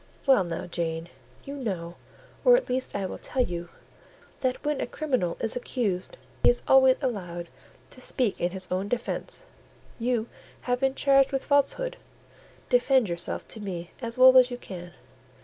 "Well now, Jane, you know, or at least I will tell you, that when a criminal is accused, he is always allowed to speak in his own defence. You have been charged with falsehood; defend yourself to me as well as you can.